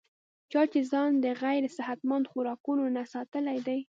چا چې ځان د غېر صحتمند خوراکونو نه ساتلے دے